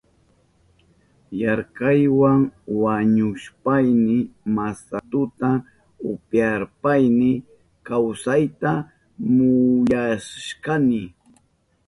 Yarkaywa wañuhushpayni masatuta upyashpayni kawsayta musyashkani.